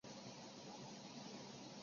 双方暂时休战。